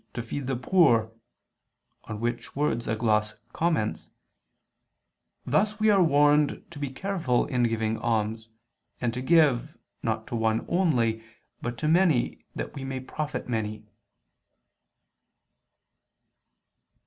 . to feed the poor," on which words a gloss comments: "Thus we are warned to be careful in giving alms, and to give, not to one only, but to many, that we may profit many."